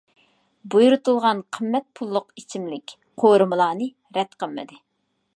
بۇيرۇتۇلغان قىممەت پۇللۇق ئىچىملىك، قورۇمىلارنى رەت قىلمىدى.